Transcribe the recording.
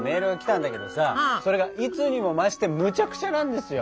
それがいつにも増してむちゃくちゃなんですよ。